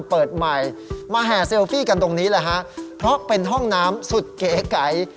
เปิดใหม่มาแห่เซลฟี่กันตรงนี้แหละฮะเพราะเป็นห้องน้ำสุดเก๋ไก่